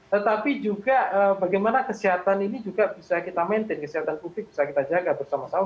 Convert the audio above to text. tetapi juga bagaimana kesehatan ini juga bisa kita maintain kesehatan publik bisa kita jaga bersama sama